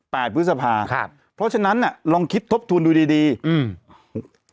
พฤษภาครับเพราะฉะนั้นน่ะลองคิดทบทวนดูดีดีอืม